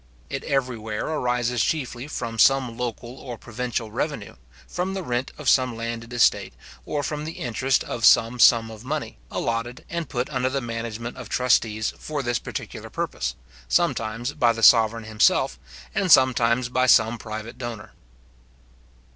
It everywhere arises chiefly from some local or provincial revenue, from the rent of some landed estate, or from the interest of some sum of money, allotted and put under the management of trustees for this particular purpose, sometimes by the sovereign himself, and sometimes by some private donor.